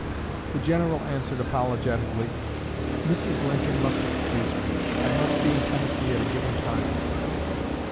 The General answered, apologetically: "Mrs. Lincoln must excuse me. I must be in Tennessee at a given time."